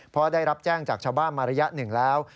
เพราะได้รับแจ้งจากชาวบ้านมาระยะหนึ่งแล้ว